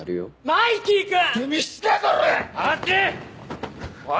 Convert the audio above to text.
マイキー君！